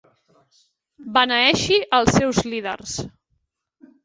Beneeixi els seus líders.